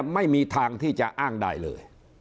ไม่มีทางที่จะอ้างได้เลย